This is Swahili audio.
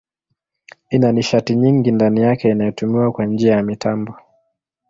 Ina nishati nyingi ndani yake inayotumiwa kwa njia ya mitambo.